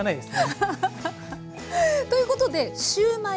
アハハハハ！ということでシューマイ。